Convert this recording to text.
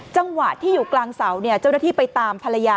จังหวะที่อยู่กลางเสาเนี่ยเจ้าหน้าที่ไปตามภรรยา